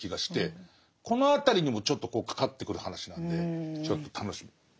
この辺りにもちょっとかかってくる話なんでちょっと楽しみ。